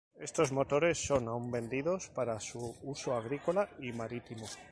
Estos motores son aun vendidos para su uso agrícola y marítimo.